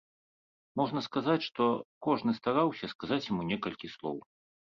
Можна сказаць, што кожны стараўся сказаць яму некалькі слоў.